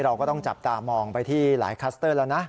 เราก็ต้องจับตามองไปที่หลายคลัสเตอร์แล้วนะ